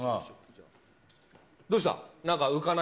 どうした？